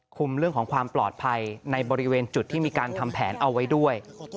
เรื่องของความปลอดภัยในบริเวณจุดที่มีการทำแผนเอาไว้ด้วย